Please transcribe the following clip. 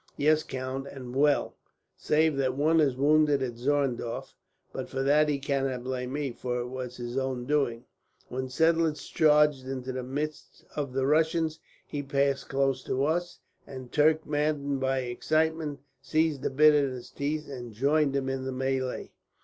"Yes, count, and well, save that one was wounded at Zorndorf; but for that he cannot blame me, for it was his own doing. When Seidlitz charged into the midst of the Russians, he passed close to us; and Turk, maddened by excitement, seized the bit in his teeth and joined him in the melee.